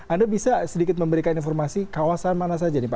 anda bisa sedikit memberikan informasi kawasan mana saja nih pak